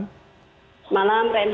selamat malam renhat